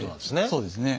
そうですね。